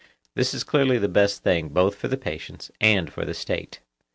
That is clearly the best thing both for the patients and for the State.